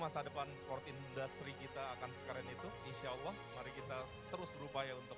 seperti ini ya ini warisan